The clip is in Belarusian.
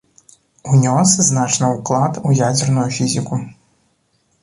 Унёс значны ўклад у ядзерную фізіку.